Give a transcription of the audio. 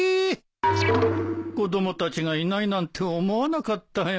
子供たちがいないなんて思わなかったよ。